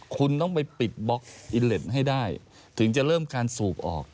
คุณต้องไปปิดบล็อกอิเล็ตให้ได้ถึงจะเริ่มการสูบออก